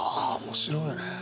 面白いね。